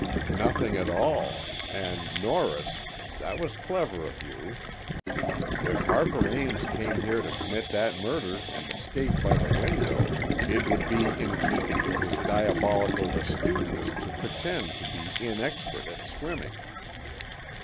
"Nothing at all. And Norris, that was clever of you. If Harper Ames came here to commit that murder and escape by the window, it would be in keeping with his diabolical astuteness to pretend to be inexpert at swimming."